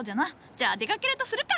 じゃあ出かけるとするか！